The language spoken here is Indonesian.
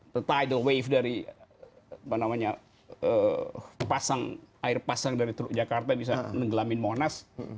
the tidal wave dari pasang air pasang dari truk jakarta bisa menggelam monas